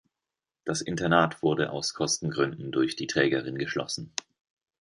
Das Internat wurde aus Kostengründen durch die Trägerin geschlossen.